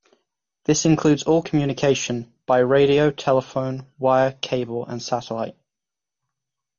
This includes all communication by radio, telephone, wire, cable and satellite.